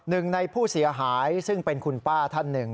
หนึ่งในผู้เสียหายซึ่งเป็นคุณป้าท่านหนึ่ง